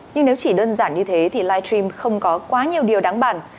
nhưng nếu chỉ đơn giản như thế thì live stream không có quá nhiều điều đáng bản